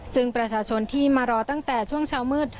ซึ่งประชาชนที่มารอตั้งแต่ช่วงเช้ามืด